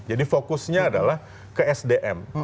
jadi fokusnya adalah ke sdm